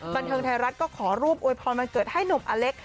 บันเทิงไทยรัฐก็ขอรูปอวยพรวันเกิดให้หนุ่มอเล็ก